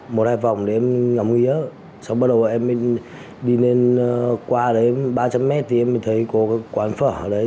một hai vòng để em ngắm nghĩa sau bắt đầu em đi lên qua ba trăm linh m thì em thấy có quán phở ở đấy